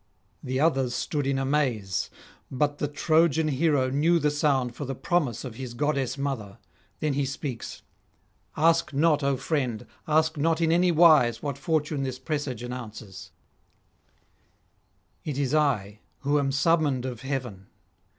The others stood in amaze; but the Trojan hero knew the sound for the promise of his goddess mother; then he speaks: 'Ask not, O friend, ask not in any wise what fortune this presage announces; it is I who am summoned of heaven.